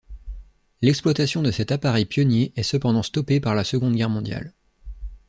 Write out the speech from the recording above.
L'exploitation de cet appareil pionnier est cependant stoppé par la Seconde Guerre mondiale.